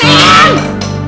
gimana perasaan em